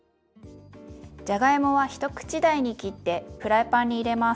じゃがいもは一口大に切ってフライパンに入れます。